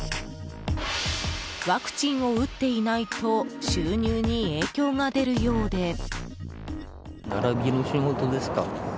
ワクチンを打っていないと収入に影響が出るようで。